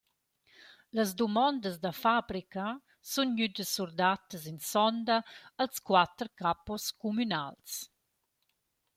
Las dumondas da fabrica sun gnüdas surdattas in sonda als quatter capos cumünals.